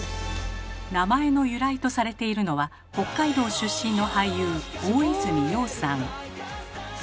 名前の由来とされているのは北海道出身の俳優大泉洋さん。